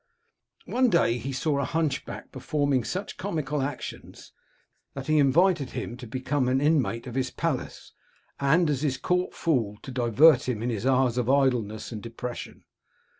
One day he saw a hunchback per forming such comical actions that he invited him to 239 L Curiosities of Olden Times become an inmate of his palace, and, as his court fool, to divert him in his hours of idleness and depression.